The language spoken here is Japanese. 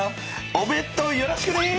おべん当よろしくね！